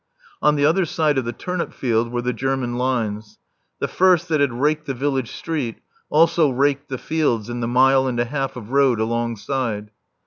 On the other side of the turnip field were the German lines. The first that had raked the village street also raked the fields and the mile and a half of road alongside.